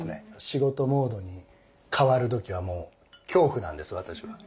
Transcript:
仕事モードに変わる時はもう恐怖なんです私は。